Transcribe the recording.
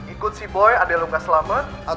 ikut si boy adik lo gak selamat